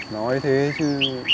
nói thế chứ